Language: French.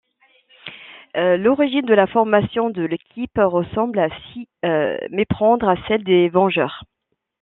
L'origine de la formation de l'équipe ressemble à s'y méprendre à celle des Vengeurs.